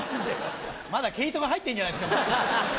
まだ毛糸が入ってんじゃないですか？